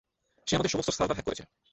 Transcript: সে আমাদের সমস্ত server hack করেছে।